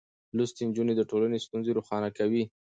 لوستې نجونې د ټولنې ستونزې روښانه کوي.